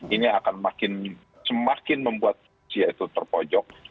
ini akan semakin membuat rusia itu terpojok